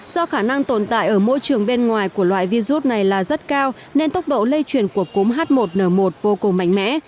do khả năng tồn tại ở môi trường bên ngoài của loại virus này là rất cao nên tốc độ lây truyền của cúm h một n một vô cùng mạnh mẽ